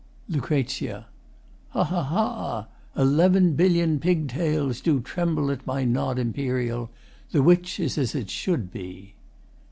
LUC. Ha, ha, ha, ha! Eleven billion pig tails Do tremble at my nod imperial, The which is as it should be.